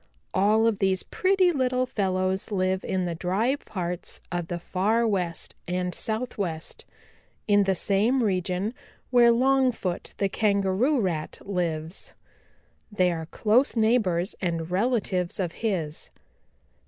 All of these pretty little fellows live in the dry parts of the Far West and Southwest in the same region where Longfoot the Kangaroo Rat lives. They are close neighbors and relatives of his.